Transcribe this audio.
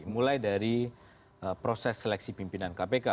mulai dari proses seleksi pimpinan kpk